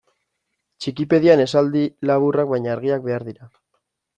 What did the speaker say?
Txikipedian esaldi laburrak baina argiak behar dira.